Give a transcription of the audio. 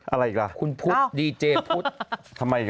อะไรอีกล่ะอ้าวคุณพุธดีเจพุธ